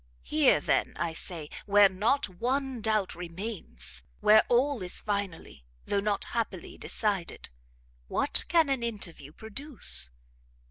Here, then, I say, where not ONE doubt remains, where ALL is finally, though not happily decided, what can an interview produce?